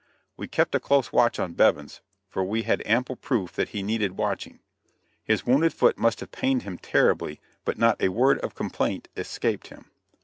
We kept a close watch on Bevins, for we had ample proof that he needed watching. His wounded foot must have pained him terribly but not a word of complaint escaped him.